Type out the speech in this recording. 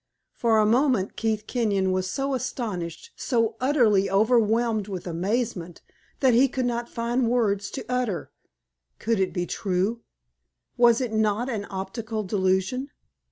For a moment Keith Kenyon was so astonished, so utterly overwhelmed with amazement, that he could not find words to utter. Could it be true? Was it not an optical delusion?